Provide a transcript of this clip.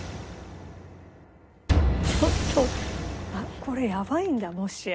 ちょっとあっこれやばいんだもしや。